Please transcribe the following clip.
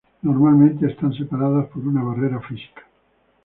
Normalmente están separados por una barrera física.